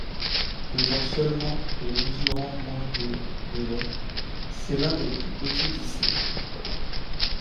Pesant seulement et mesurant moins de de long, c'est l'un des plus petits dicées.